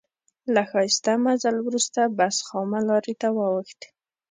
له ښایسته مزل وروسته بس خامه لارې ته واوښت.